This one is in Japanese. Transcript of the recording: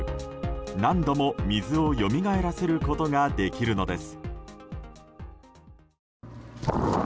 何度も水をよみがえらせることができるのです。